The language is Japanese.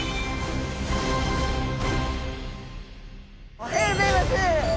おはようございます。